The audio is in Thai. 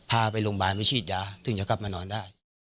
พาไปโรงพยาบาลไปฉีดยาถึงจะกลับมานอนได้